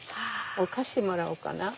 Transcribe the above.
お菓子もらおうかな。